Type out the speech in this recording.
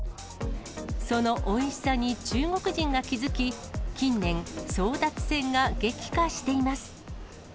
そのおいしさに中国人が気付き、近年、争奪戦が激化しています。